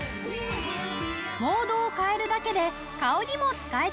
モードを変えるだけで「へえ」